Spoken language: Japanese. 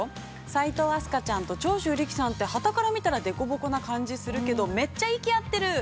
齋藤飛鳥ちゃんと長州力さんってはたから見たら凸凹な感じするけど、めっちゃ息合ってる。